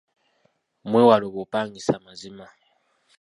Mwewale obupangisa mazima.